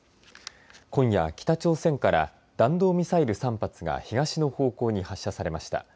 今夜、北朝鮮から弾道ミサイル３発が東の方向に発射されました。